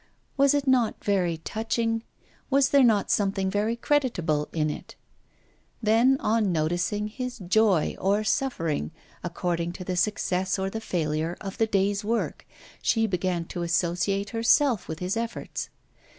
Was it not very touching? Was there not something very creditable in it? Then, on noticing his joy or suffering, according to the success or the failure of the day's work, she began to associate herself with his efforts.